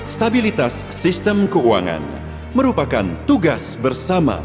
stabilitas sistem keuangan merupakan tugas bersama